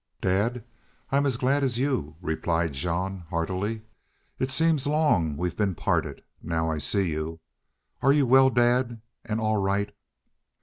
"Dad, I'm as glad as you," replied Jean, heartily. "It seems long we've been parted, now I see you. Are You well, dad, an' all right?"